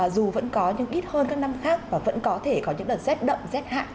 dù vẫn có nhưng ít hơn các năm khác và vẫn có thể có những đợt rét đậm rét hại